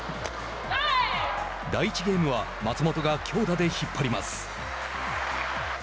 第１ゲームは松本が強打で引っ張ります。